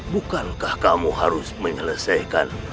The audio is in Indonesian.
bukankah kamu harus menyelesaikan